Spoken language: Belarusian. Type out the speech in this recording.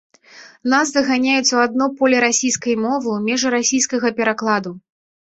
Нас заганяюць у адно поле расійскай мовы, у межы расійскага перакладу.